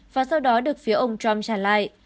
và sau đó được phía ông trump tràn lại